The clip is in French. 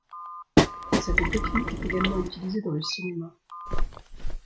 Cette technique est également utilisée dans le cinéma.